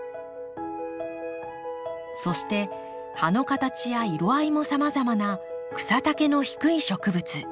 そして葉の形や色合いもさまざまな草丈の低い植物。